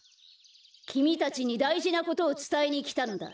きみたちにだいじなことをつたえにきたんだ。